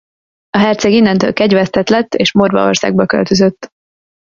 A herceg innentől kegyvesztett lett és Morvaországba költözött.